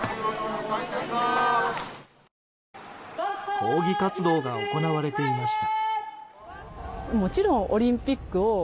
抗議活動が行われていました。